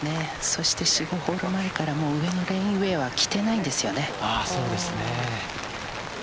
そして４、５ホールほど前から上のレインウェアは着ていないんですよね。